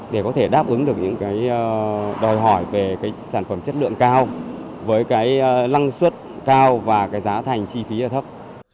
để đáp ứng được những đòi hỏi về sản phẩm chất lượng cao với lăng suất cao và giá thành chi phí thấp